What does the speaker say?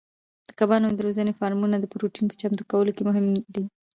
د کبانو د روزنې فارمونه د پروتین په چمتو کولو کې مهم دي.